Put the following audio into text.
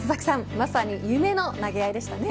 まさに夢の投げ合いでしたね。